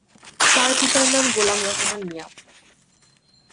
তার পিতার নাম গোলাম রহমান মিয়া।